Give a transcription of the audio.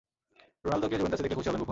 রোনালদোকে জুভেন্টাসে দেখলে খুশি হবেন বুফন